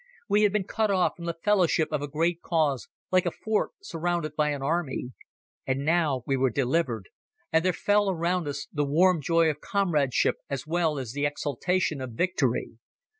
We had been cut off from the fellowship of a great cause, like a fort surrounded by an army. And now we were delivered, and there fell around us the warm joy of comradeship as well as the exultation of victory.